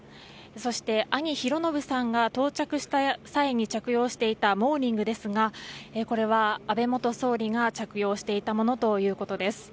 そして兄・寛信さんが到着した際に着用していたモーニングですがこれは安倍元総理が着用していたものということです。